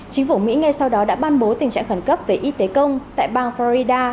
chính phủ mỹ ngay sau đó đã ban bố tình trạng khẩn cấp về y tế công tại bang florida